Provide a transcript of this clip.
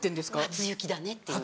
「初雪だね」っていう。